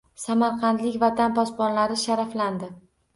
Samarqandlik Vatan posbonlari sharaflandi